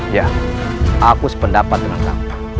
ya aku sependapat dengan kamu